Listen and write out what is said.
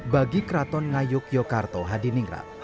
bagi keraton ngayuk yogyakarta hadiningrat